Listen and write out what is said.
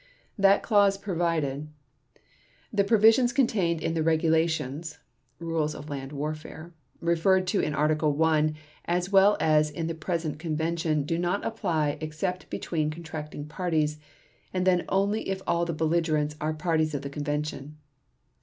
That clause provided: "The provisions contained in the regulations (Rules of Land Warfare) referred to in Article I as well as in the present Convention do not apply except between contracting powers, and then only if all the belligerents, are parties to the Convention."